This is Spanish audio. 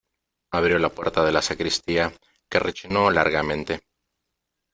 abrió la puerta de la sacristía , que rechinó largamente .